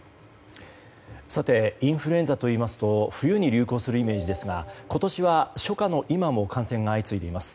インフルエンザといいますと冬に流行するイメージですが今年は初夏の今も感染が相次いでいます。